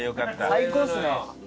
最高ですね。